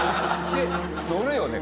乗るよね